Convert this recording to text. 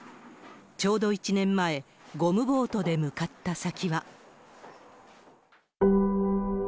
ちょうど１年前、ゴムボートで向かった先は。